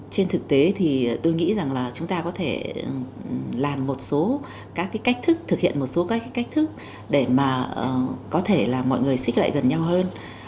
trên thực tế thì tôi nghĩ rằng là chúng ta có thể làm một số các cái cách thức thực hiện một số các cái cách thức để mà có thể là mọi người xích lại gần nhau hơn